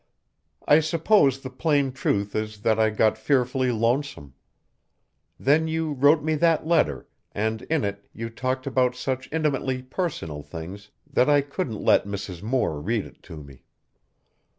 I suppose the plain truth is that I got fearfully lonesome. Then you wrote me that letter, and in it you talked about such intimately personal things that I couldn't let Mrs. Moore read it to me.